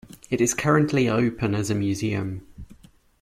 It is currently open as a museum.